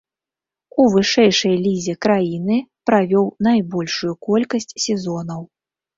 У вышэйшай лізе краіны правёў найбольшую колькасць сезонаў.